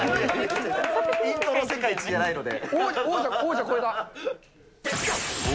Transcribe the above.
イントロ世界一じゃないので。